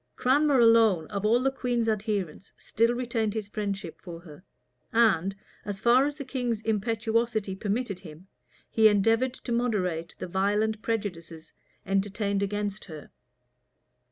Cranmer alone, of all the queen's adherents, still retained his friendship for her; and, as far as the king's impetuosity permitted him, he endeavored to moderate the violent prejudices entertained against her.